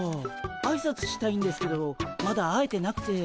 あいさつしたいんですけどまだ会えてなくて。